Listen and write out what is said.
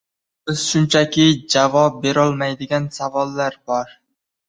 Biz shunchaki javob berolmaydigan savollar bor